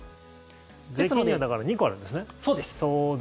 税金にはだから、２個あるんですね。